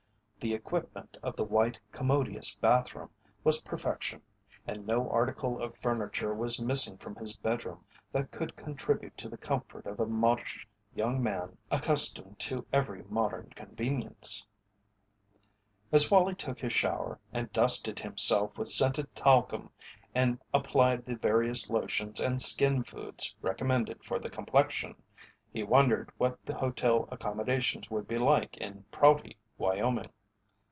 The equipment of the white, commodious bathroom was perfection, and no article of furniture was missing from his bedroom that could contribute to the comfort of a modish young man accustomed to every modern convenience. As Wallie took his shower and dusted himself with scented talcum and applied the various lotions and skin foods recommended for the complexion, he wondered what the hotel accommodations would be like in Prouty, Wyoming.